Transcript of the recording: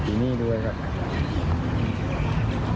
จากเมืองเทศครับท่วนตัว